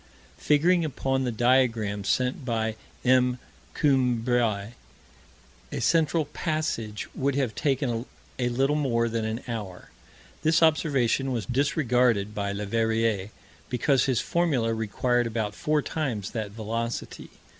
Figuring upon the diagram sent by M. Coumbray, a central passage would have taken a little more than an hour. This observation was disregarded by Leverrier, because his formula required about four times that velocity.